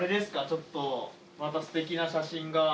ちょっとまた素敵な写真が。